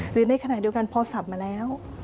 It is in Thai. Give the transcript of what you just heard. ในขณะเดียวกันพอสับมาแล้ว